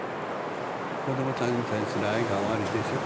子どもさんに対する愛がおありでしょ？